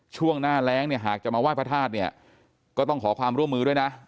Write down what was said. ช่วงหน้าแรงเนี่ยหากจะมาไหว้พระธาตุเนี่ยก็ต้องขอความร่วมมือด้วยนะ